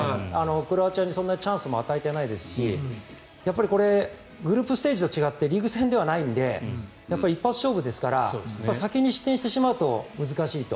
クロアチアにそんなにチャンスも与えてないですしグループステージと違ってリーグ戦ではないので一発勝負ですから先に失点してしまうと難しいと。